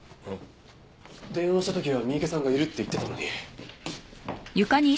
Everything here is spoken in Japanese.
電話した時は三池さんがいるって言ってたのに。